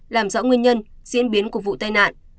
làm rõ nguyên nhân diễn biến của vụ tai nạn